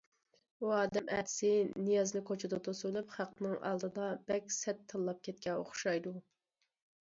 ئۇ ئادەم ئەتىسى نىيازنى كوچىدا توسۇۋېلىپ، خەقنىڭ ئالدىدا بەك سەت تىللاپ كەتكەن ئوخشايدۇ.